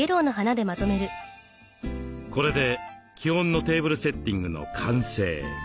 これで基本のテーブルセッティングの完成。